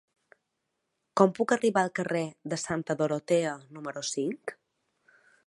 Com puc arribar al carrer de Santa Dorotea número cinc?